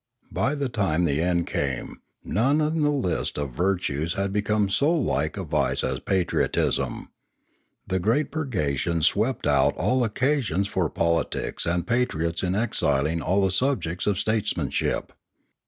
By the time the end came, none in the list of virtues had become so like a vice as patriotism. The great 6i4 Limanora purgations swept out all occasions for politics and patriots in exiling all the subjects of statesmanship.